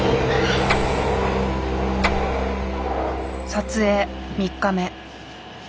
撮影３日目。